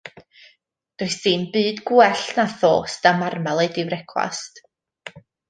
Does dim byd gwell na thost a marmalêd i frecwast.